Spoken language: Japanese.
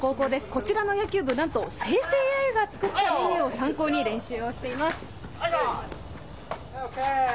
こちらの野球部、なんと生成ＡＩが作ったメニューを参考に練習をしています。